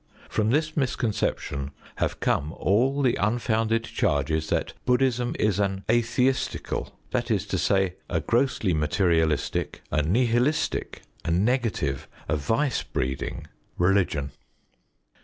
From this misconception have come all the unfounded charges that Bud╠Żd╠Żhism is an "atheistical," that is to say, a grossly materialistic, a nihilistic, a negative, a vice breeding religion.